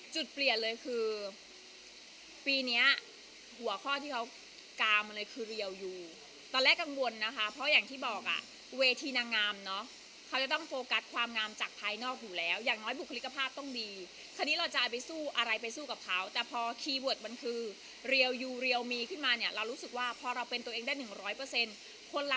จุดเปลี่ยนเลยคือปีเนี้ยหัวข้อที่เขากาวมาเลยคือเรียวอยู่ตอนแรกกังวลนะคะเพราะอย่างที่บอกอ่ะเวทีนางงามเนอะเขาจะต้องโฟกัสความงามจากภายนอกอยู่แล้วอย่างน้อยบุคลิกภาพต้องดีคราวนี้เราจะเอาไปสู้อะไรไปสู้กับเขาแต่พอคีย์เวิร์ดมันคือเรียวยูเรียวมีขึ้นมาเนี่ยเรารู้สึกว่าพอเราเป็นตัวเองได้หนึ่งร้อยเปอร์เซ็นต์